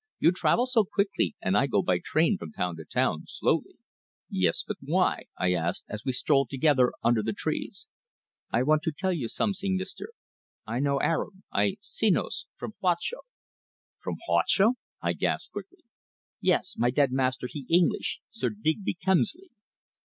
You travel so quickly, and I go by train from town to town slowly." "Yes, but why?" I asked, as we strolled together under the trees. "I want to tell you some zing, mee ster. I no Arabe I Senos, from Huacho." "From Huacho!" I gasped quickly. "Yees. My dead master he English Sir Digby Kemsley!"